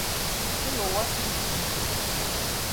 Yi go worsen de tin.